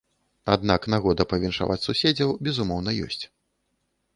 Аднак нагода павіншаваць суседзяў, безумоўна, ёсць.